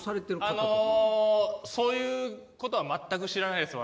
あのそういうことは全く知らないです